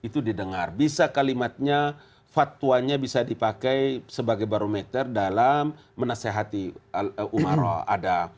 itu didengar bisa kalimatnya fatwanya bisa dipakai sebagai barometer dalam menasehati umaroh ada